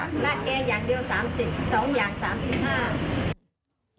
ราดแกงอย่างเดียว๓๐บาทสองอย่าง๓๕บาท